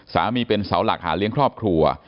เป็นเสาหลักหาเลี้ยงครอบครัว